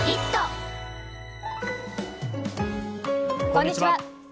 こんにちは。